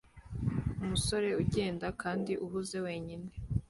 Umusore ugenda kandi uhuze wenyine